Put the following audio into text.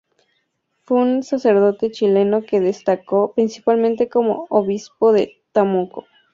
Fue un sacerdote chileno que destacó principalmente como Obispo de Temuco.